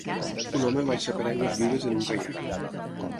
Un home baixa per aigües vives en un caiac